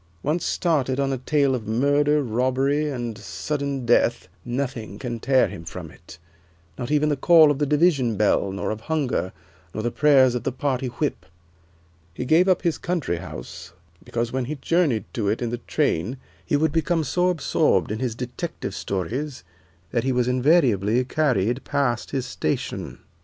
Once started on a tale of murder, robbery, and sudden death, nothing can tear him from it, not even the call of the division bell, nor of hunger, nor the prayers of the party Whip. He gave up his country house because when he journeyed to it in the train he would become so absorbed in his detective stories that he was invariably carried past his station."